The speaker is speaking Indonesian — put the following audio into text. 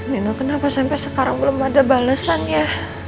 nino kenapa sampai sekarang belum ada balesan ya